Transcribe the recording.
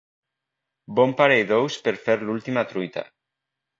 Bon parell d’ous per fer l’última truita.